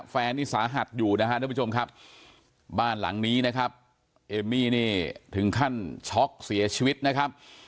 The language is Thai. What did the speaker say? นี่สาหัสอยู่นะครับทุกผู้ชมครับบ้านหลังนี้นะครับเอมมี่นี่ถึงขั้นช็อกเสียชีวิตนะครับ